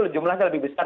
jumlahnya lebih besar